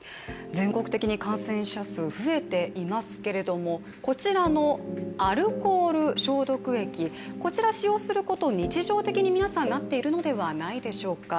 全国的に感染者数、増えていますけれどもこちらのアルコール消毒液、こちらを使用することは日常的に皆さんなっているのではないでしょうか。